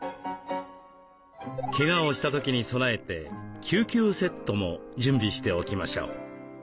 けがをした時に備えて救急セットも準備しておきましょう。